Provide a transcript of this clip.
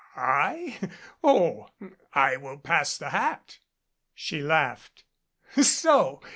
"I Oh, I will pass the hat." She laughed. "So